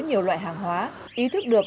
nhiều loại hàng hóa ý thức được